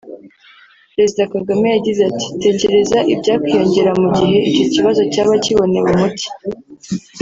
Perezida Kagame yagize ati “Tekereza ibyakwiyongeraho mu gihe icyo kibazo cyaba kibonewe umuti